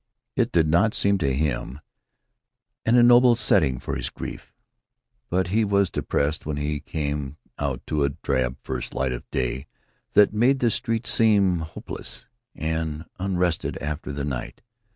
It did not seem to him an ignoble setting for his grief; but he was depressed when he came out to a drab first light of day that made the street seem hopeless and unrested after the night.